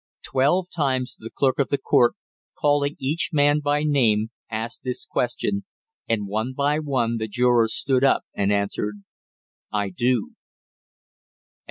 Twelve times the clerk of the court, calling each man by name, asked this question, and one by one the jurors stood up and answered: "I do."